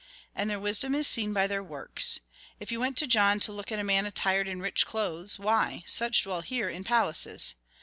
And their wisdom is seen by their works. If you went to John to look at a man attired in rich clothes, why, such dwell here in palaces.